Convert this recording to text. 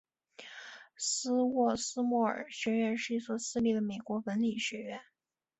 斯沃斯莫尔学院是一所私立的美国文理学院。